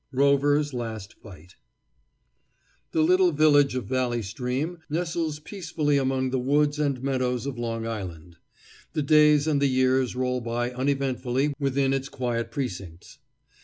ROVER'S LAST FIGHT The little village of Valley Stream nestles peacefully among the woods and meadows of Long Island. The days and the years roll by uneventfully within its quiet precincts.